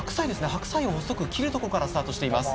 白菜を細く切るとこからスタートしています